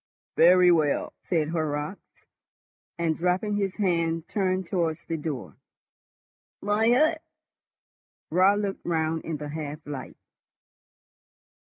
"Very well", said Horrocks, and, dropping his hand, turned towards the door. "My hat?" Raut looked round in the half light.